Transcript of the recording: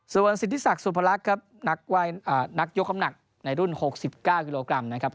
ส่วนสิทธิศักดิ์สุพรรคครับนักยกคำหนักในรุ่น๖๙กิโลกรัมนะครับ